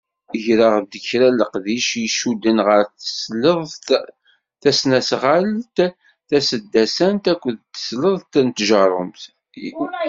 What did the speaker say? Greɣ-d kra leqdic i icudden ɣer tesleḍt tasnalɣant taseddasant akked tesleḍt n tjerrumt.